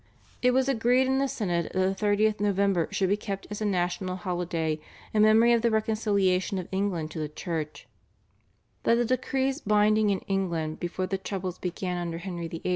It was agreed in the synod that the 30th November should be kept as a national holiday in memory of the reconciliation of England to the Church, that the decrees binding in England before the troubles began under Henry VIII.